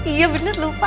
iya bener lupa